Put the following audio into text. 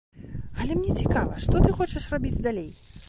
Але мне цікава, што ты хочаш рабіць далей?